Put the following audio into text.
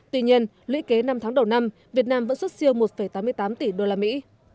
tuy nhiên lũy kế năm tháng đầu năm việt nam vẫn xuất siêu một tám mươi tám tỷ đô la mỹ